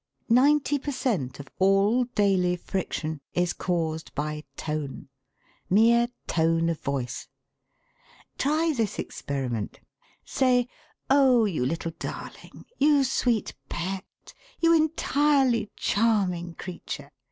Ninety per cent. of all daily friction is caused by tone mere tone of voice. Try this experiment. Say: 'Oh, you little darling, you sweet pet, you entirely charming creature!'